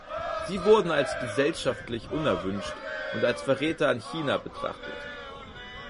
Sie wurden als gesellschaftlich unerwünscht und als Verräter an China betrachtet.